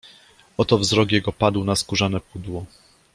Oto wzrok jego padł na skórzane pudło.